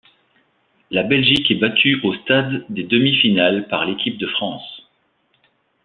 La Belgique est battue au stade des demi-finales par l'équipe de France.